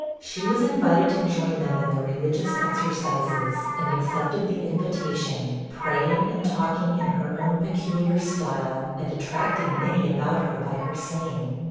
She was invited to join them in their religious exercises, and accepted the invitation praying, and talking in her own peculiar style, and attracting many about her by her singing.